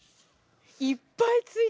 いっぱいついてる。